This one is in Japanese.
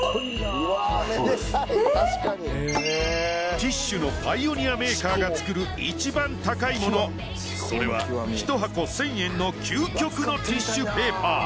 ティッシュのパイオニアメーカーが作る一番高いモノそれはひと箱１，０００円の究極のティッシュペーパー